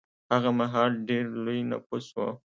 هغه مهال ډېر لوی نفوس و.